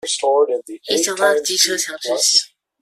已繳納機車強制險